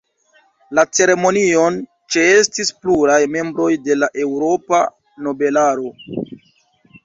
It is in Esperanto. La ceremonion ĉeestis pluraj membroj de la eŭropa nobelaro.